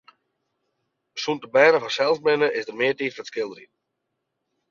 Sûnt de bern op harsels binne, is der mear tiid foar it skilderjen.